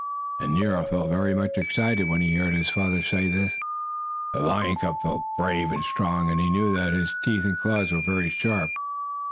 And Nero felt very much excited when he heard his father say this. The lion cub felt brave and strong, and he knew that his teeth and claws were very sharp.